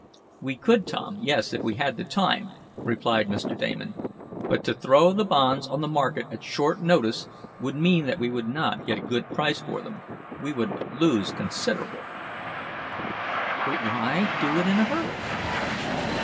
"We could, Tom, yes, if we had time," replied Mr. Damon. "But to throw the bonds on the market at short notice would mean that we would not get a good price for them. We would lose considerable." "But why do it in a hurry?"